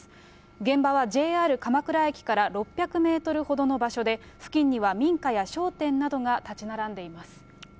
現場はＪＲ鎌倉駅から６００メートルほどの場所で、付近には民家や商店などが建ち並んでいます。